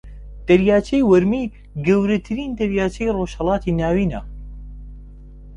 دەریاچەی ورمێ گەورەترین دەریاچەی ڕۆژھەڵاتی ناوینە